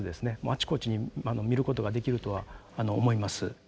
あちこちに見ることができるとは思います。